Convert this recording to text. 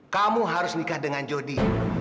kamu harus nikah dengan jody